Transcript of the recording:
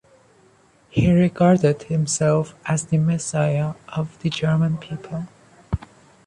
He regarded himself as the Messiah of the German people.